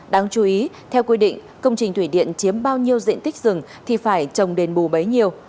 đáng chú ý theo quy định công trình thủy điện chiếm bao nhiêu diện tích rừng thì phải trồng đền bù bấy nhiêu